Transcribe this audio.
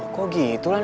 kok gitu lan